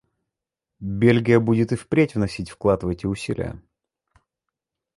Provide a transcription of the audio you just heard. Бельгия будет и впредь вносить вклад в эти усилия.